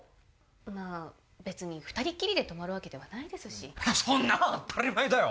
まあ別に２人っきりで泊まるわけではないですしそんなん当ったり前だよ